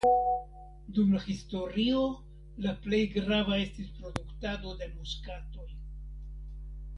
Dum la historio la plej grava estis produktado de muskatoj.